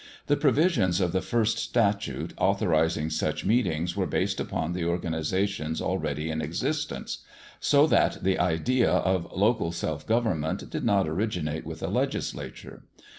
The provisions of the first statute authorizing such meetings were based upon the organizations already in existence, so that the idea of local self government did not originate with the Legislature.